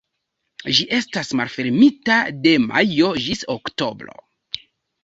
Ĝi estas malfermita de majo ĝis oktobro.